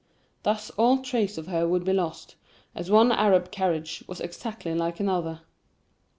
Thus all trace of her would be lost, as one Arab carriage was exactly like another.